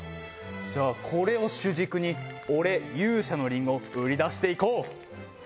じゃあこれを主軸に俺勇者のりんごを売り出していこう。